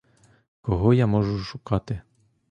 Кого я можу шукати?